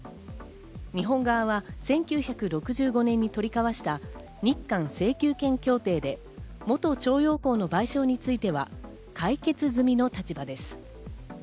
日本側は１９６５年に取り交わした日韓請求権協定で、元徴用工の賠償については、解決済みの立場です。